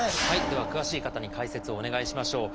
では詳しい方に解説をお願いしましょう。